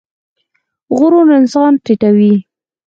غرور انسان ټیټوي